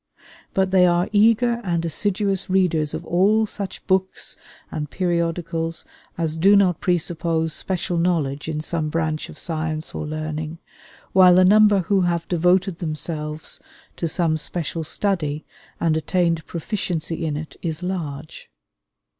But they are eager and assiduous readers of all such books and periodicals as do not presuppose special knowledge in some branch of science or learning, while the number who have devoted themselves to some special study and attained proficiency in it is large.